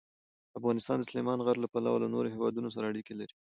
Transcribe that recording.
افغانستان د سلیمان غر له پلوه له نورو هېوادونو سره اړیکې لري.